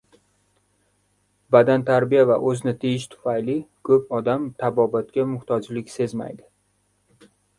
Badantarbiya va o‘zni tiyish tufayli ko‘p odam tabobatga muhtojlik sezmaydi.